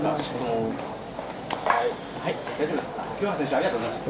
ありがとうございます。